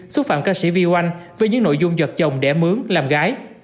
xúc phạm ca sĩ viu anh với những nội dung giọt chồng đẻ mướn làm gái